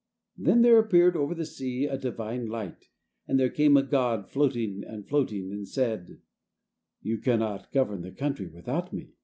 Then there appeared over the sea a divine light, and there came a god floating and floating, and said: "You cannot govern the country without me."